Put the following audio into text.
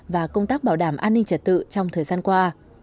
và công tác bảo đảm an ninh trật tự trong thời gian qua